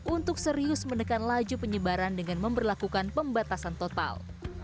untuk serius menekan laju penyebaran dengan memperlakukan pembatasan total